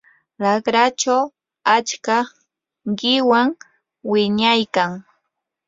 raqrachaw achka qiwan wiñaykan.